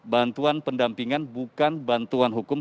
bantuan pendampingan bukan bantuan hukum